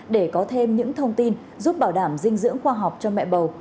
để có thêm những thông tin giúp bảo đảm dinh dưỡng khoa học cho mẹ bầu